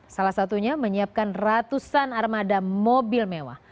salah satunya menyiapkan ratusan armada mobil mewah